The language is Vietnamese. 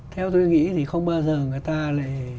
theo tôi nghĩ thì không bao giờ người ta lại